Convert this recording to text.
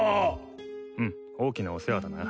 うん大きなお世話だな。